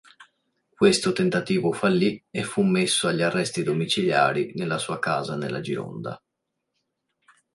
Questo tentativo fallì e fu messo agli arresti domiciliari nella sua casa nella Gironda.